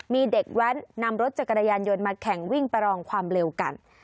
มีเด็กแว้นนำรถจักรยานยนต์มาแข่งวิ่งประลองความเร็วกัน